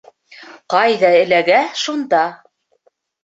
— Ҡайҙа эләгә, шунда.